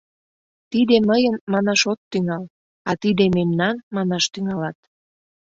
«Тиде мыйын» манаш от тӱҥал, а «Тиде мемнан» манаш тӱҥалат.